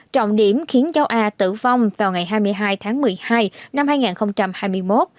trọng điểm khiến cháu a tử vong vào ngày hai mươi hai tháng một mươi hai năm hai nghìn hai mươi một